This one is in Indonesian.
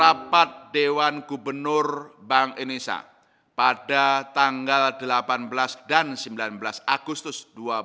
rapat dewan gubernur bank indonesia pada tanggal delapan belas dan sembilan belas agustus dua ribu dua puluh